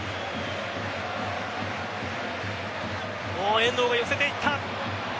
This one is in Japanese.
遠藤が寄せていった。